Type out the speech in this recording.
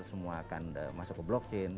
semua akan masuk ke blockchain